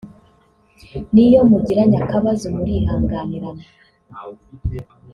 niyo mugiranye akabazo murihanganirana